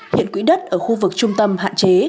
hiện quỹ đất ở khu vực trung tâm hạn chế